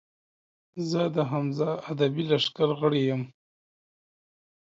زۀ د حمزه ادبي لښکر غړے یم